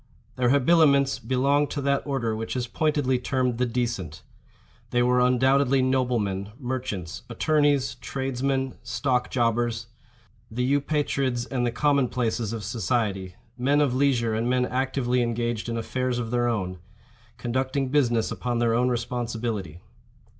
Their habiliments belonged to that order which is pointedly termed the decent. They were undoubtedly noblemen, merchants, attorneys, tradesmen, stock jobbers—the Eupatrids and the common places of society—men of leisure and men actively engaged in affairs of their own—conducting business upon their own responsibility.